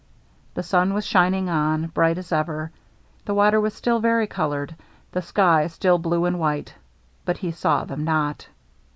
The sun was shining on, bright as ever ; the water was still varicolored, the sky still blue and white; but he saw them not.